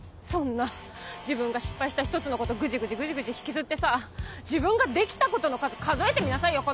そんな自分が失敗した一つのことグジグジグジグジ引きずってさ自分ができたことの数数えてみなさい